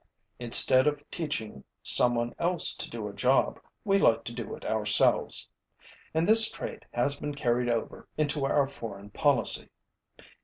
Instead of teaching someone else to do a job, we like to do it ourselves. And this trait has been carried over into our foreign policy.